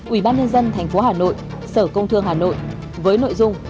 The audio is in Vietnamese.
ủy ban nhân dân thành phố hà nội sở công thương hà nội với nội dung